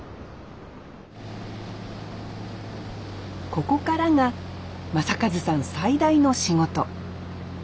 ここからが将和さん最大の仕事。